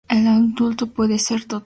El indulto puede ser total o parcial.